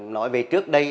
nói về trước đây